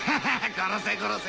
殺せ殺せ！